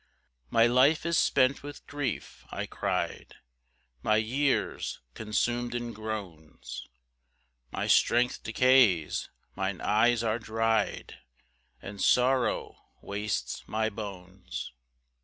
2 "My life is spent with grief," I cry'd, "My years consum'd in groans, "My strength decays, mine eyes are dry'd, "And sorrow wastes my bones."